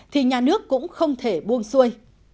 thì nhà nước cũng không thể buông xuôi